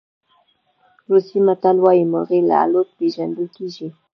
روسي متل وایي مرغۍ له الوت پېژندل کېږي.